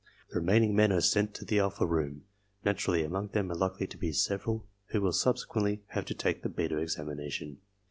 The remaining men are sent to the alpha room. Naturally, among them there are likely to be several who will subsequently have to take the beta examination.